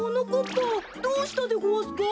ぱどうしたでごわすか？